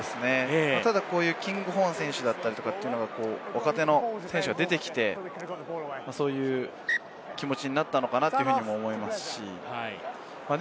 ただこういうキングホーン選手だったりというのが若手の選手が出てきたので、そういう気持ちになったのかなとも思いますしね。